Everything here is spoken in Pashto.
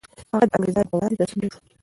هغه د انګریزانو په وړاندې تسلیم نه شو.